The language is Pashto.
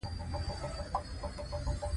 که پانګه ګډه وه لویه برخه یې مېشت کس ورکوله